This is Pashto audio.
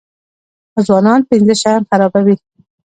ځوانان پنځه شیان خرابوي.